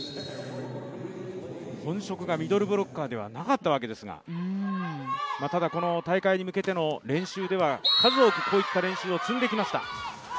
本職がミドルブロッカーではなかったわけですが、ただこの大会に向けての練習では数多くこういった練習を積んできました。